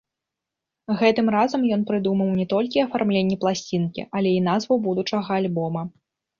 Гэтым разам ён прыдумаў не толькі афармленне пласцінкі, але і назву будучага альбома.